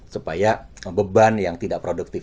supaya beban yang tidak produktif